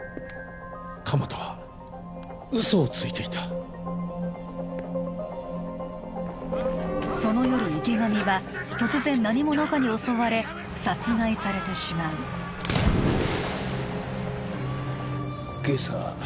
鎌田は嘘をついていたその夜池上は突然何者かに襲われ殺害されてしまう今朝